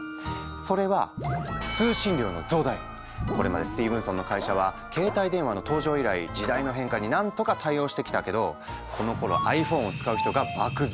それはこれまでスティーブンソンの会社は携帯電話の登場以来時代の変化になんとか対応してきたけどこのころｉＰｈｏｎｅを使う人が爆増。